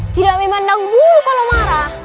tidak memandang buruh kalau marah